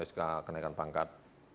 sk kenaikan pangkat